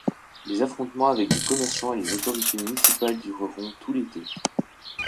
Les affrontements avec des commerçants et les autorités municipales dureront tout l'été.